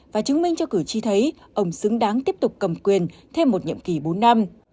và chứng minh cho cử tri thấy ông xứng đáng tiếp tục cầm quyền thêm một nhiệm kỳ bốn năm